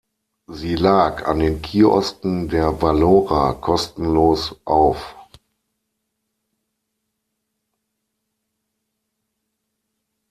Sie lag an den Kiosken der Valora kostenlos auf.